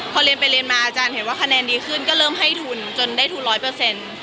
พอเรียนไปเรียนมาอาจารย์เห็นว่าคะแนนดีขึ้นก็เริ่มให้ทุนจนได้ทุนร้อยเปอร์เซ็นต์